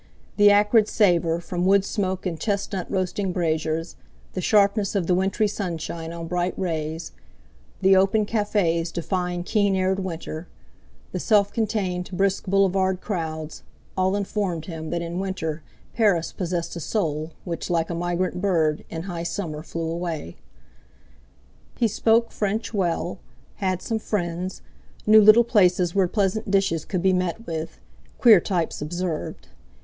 The acrid savour from woodsmoke and chestnut roasting braziers, the sharpness of the wintry sunshine on bright rays, the open cafés defying keen aired winter, the self contained brisk boulevard crowds, all informed him that in winter Paris possessed a soul which, like a migrant bird, in high summer flew away. He spoke French well, had some friends, knew little places where pleasant dishes could be met with, queer types observed.